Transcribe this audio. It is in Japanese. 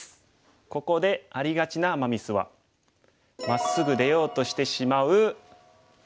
ここでありがちなアマ・ミスはまっすぐ出ようとしてしまうＡの手です。